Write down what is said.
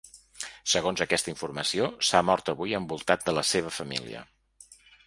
Segons aquesta informació, s’ha mort avui envoltat de la seva família.